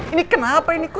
ini kenapa ini